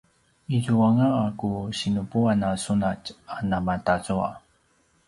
izuanga a ku sinupuan a sunatj a namatazua